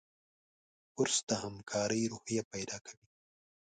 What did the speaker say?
کورس د همکارۍ روحیه پیدا کوي.